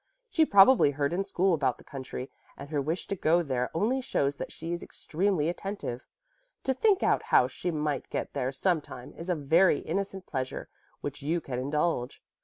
She probably heard in school about the country, and her wish to go there only shows that she is extremely attentive. To think out how she might get there some time is a very innocent pleasure, which you can indulge.